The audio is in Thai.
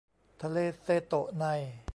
ทะเลเซโตะใน